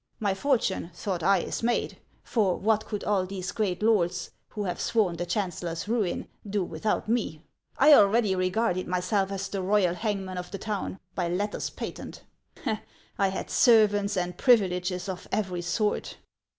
My fortune, thought I, is made ; for what could all these great lords, who have sworn the chancellor's ruin, do without me ? I already regarded my self as the royal hangman of the town, by letters patent ; I had servants and privileges of every sort.